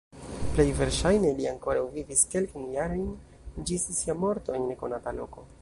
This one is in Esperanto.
Plej verŝajne li ankoraŭ vivis kelkajn jarojn ĝis sia morto en nekonata loko.